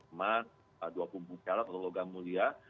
emas dua kubu karat logam mulia